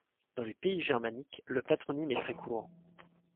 Dans les pays germaniques, le patronyme est très courant.